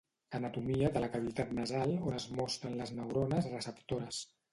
Anatomia de la cavitat nasal on es mostren les neurones receptores